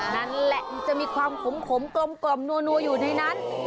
นั่นแหละมันจะมีความขมกลมนัวอยู่ในนั้น